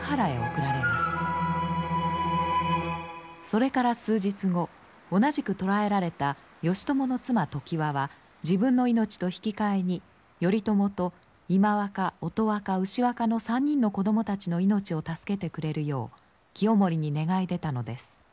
それから数日後同じく捕らえられた義朝の妻常磐は自分の命と引き換えに頼朝と今若乙若牛若の３人の子供たちの命を助けてくれるよう清盛に願い出たのです。